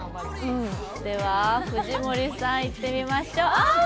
では藤森さん、いってみましょう。